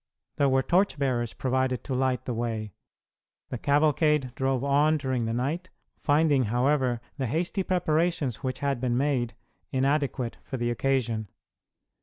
There were torch bearers provided to light the way. The cavalcade drove on during the night, finding, however, the hasty preparations which had been made inadequate for the occasion.